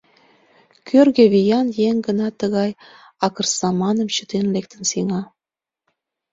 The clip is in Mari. Кӧргӧ виян еҥ гына тыгай акырсаманым чытен лектын сеҥа.